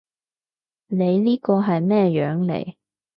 你呢個係咩樣嚟？